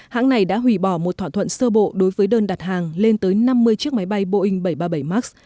hãng này đã hủy bỏ một thỏa thuận sơ bộ đối với đơn đặt hàng lên tới năm mươi chiếc máy bay boeing bảy trăm ba mươi bảy max